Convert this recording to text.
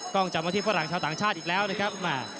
จับมาที่ฝรั่งชาวต่างชาติอีกแล้วนะครับ